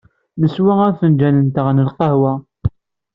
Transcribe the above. Neswa afenǧal-nteɣ n lqahwa.